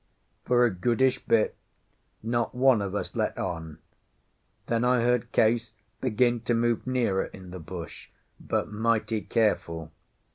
For a goodish bit not one of us let on. Then I heard Case begin to move nearer in the bush, but mighty careful.